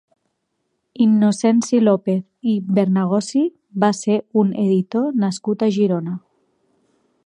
Innocenci López i Bernagossi va ser un editor nascut a Girona.